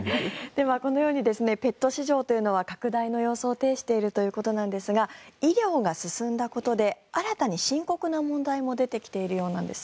このようにペット市場というのは拡大の様相を呈しているということなんですが医療が進んだことで新たに深刻な問題も出てきているようなんです。